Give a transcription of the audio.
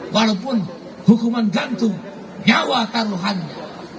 walaupun hukuman gantung nyawa taruhannya